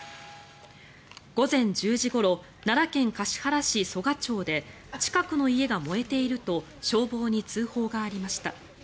午前１０時ごろ奈良県橿原市曽我町で近くの家が燃えていると消防に通報がありました。